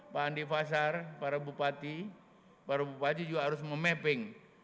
pak andi pasar para bupati para bupati juga harus memapping